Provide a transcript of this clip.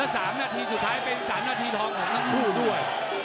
แล้วสามนาทีสุดท้ายเป็นสามนาทีทองของนักผู้ด้วย